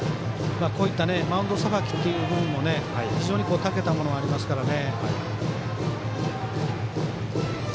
こういったマウンドさばきっていうのも非常にたけたものがありますからね。